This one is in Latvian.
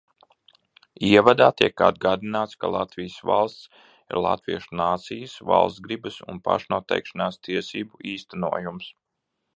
Ievadā tiek atgādināts, ka Latvijas valsts ir latviešu nācijas, valstsgribas un pašnoteikšanās tiesību īstenojums.